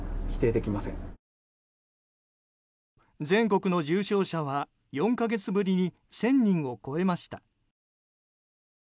全国の重症者は４か月ぶりに１０００人を超えました。